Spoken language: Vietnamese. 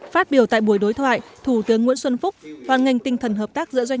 phát biểu tại buổi đối thoại thủ tướng nguyễn xuân phúc hoàn ngành tinh thần hợp tác giữa doanh